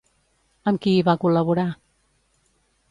Amb qui hi va col·laborar?